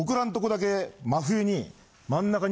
真冬に。